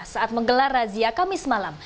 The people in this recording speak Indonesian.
saat menggelar razia kamis malam